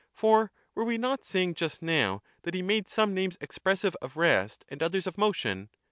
For were we not saying just now that he made some names expressive of rest and others of motion